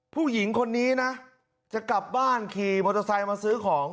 ผู้หญิงคนนี้นะจะกลับบ้านขี่มอเตอร์ไซค์มาซื้อของ